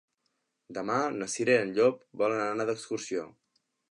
Demà na Cira i en Llop volen anar d'excursió.